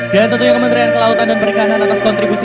dan tentunya kementerian kelautan dan berikanan atas kontribusi